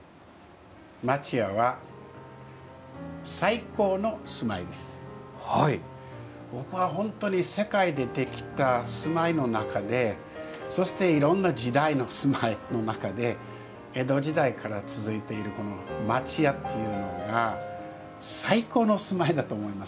町家は僕は本当に世界でできた住まいの中でそしていろんな時代の住まいの中で江戸時代から続いているこの町家っていうのが最高の住まいだと思います。